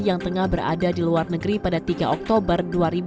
yang tengah berada di luar negeri pada tiga oktober dua ribu dua puluh